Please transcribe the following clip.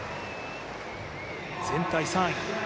全体３位。